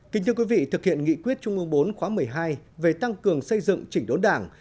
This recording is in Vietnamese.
kính thưa quý vị thực hiện nghị quyết trung ương bốn khóa một mươi hai về tăng cường xây dựng chỉnh đốn đảng